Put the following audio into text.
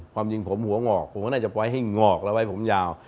ความจริงผมหัวงอกผมก็น่าจะปล่อยให้งอกแล้วไว้ผมยาว